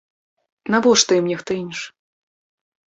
Навошта ім нехта іншы!